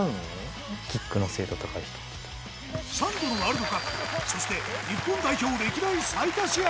３度のワールドカップそして日本代表歴代最多試合